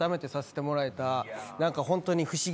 何かホントに。